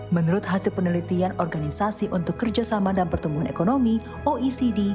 menurut hasil penelitian organisasi untuk kerjasama dan pertumbuhan ekonomi oecd